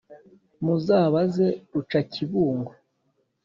muzabaze rucakibungo